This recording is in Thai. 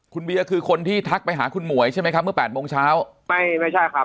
คุณเบียร์คือคนที่ทักไปหาคุณหมวยใช่ไหมครับเมื่อแปดโมงเช้าไม่ไม่ใช่ครับ